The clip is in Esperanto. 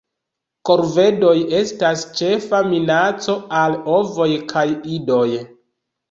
Korvedoj estas ĉefa minaco al ovoj kaj idoj.